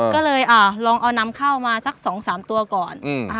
ก็เลยลองเอน้ำเข้ามาสักสองสามตัวก่อน